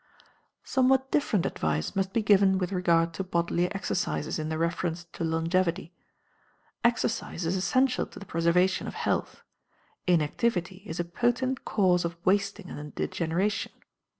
Somewhat different advice must be given with regard to bodily exercises in their reference to longevity. Exercise is essential to the preservation of health; inactivity is a potent cause of wasting and degeneration.